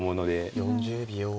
４０秒。